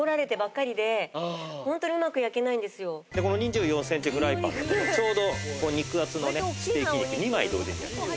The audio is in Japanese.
この２４センチフライパンだとちょうど肉厚のねステーキ肉２枚同時に焼ける。